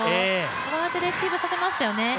フォアでレシーブさせましたよね。